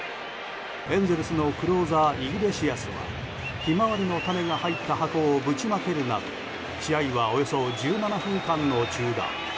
エンゼルスのクローザーイグレシアスはヒマワリの種が入った箱をぶちまけるなど試合はおよそ１７分間の中断。